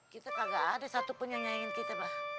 kita kagak ada satu penyanyiain kita mbah